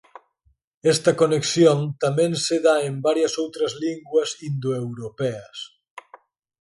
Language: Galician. Esta conexión tamén se dá en varias outras linguas indoeuropeas.